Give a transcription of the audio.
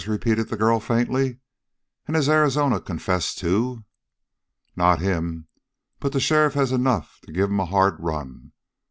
repeated the girl faintly. "And has Arizona confessed, too?" "Not him! But the sheriff has enough to give him a hard run.